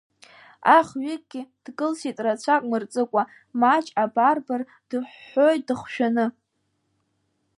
Ахҩыкгьы дкылсит рацәак мырҵыкәа, Маџь абарбар, дыҳәҳәоит дыхшәааны…